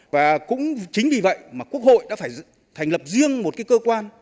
và cũng chính vì vậy mà quốc hội đã phải thành lập riêng một cái cơ quan